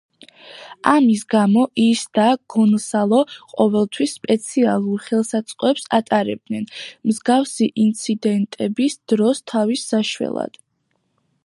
ამის გამო, ის და გონსალო ყოველთვის სპეციალურ ხელსაწყოებს ატარებდნენ, მსგავსი ინციდენტების დროს თავის საშველად.